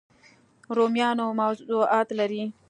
رومانوي موضوعات لري